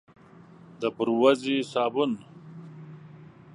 د بوروزې صابون،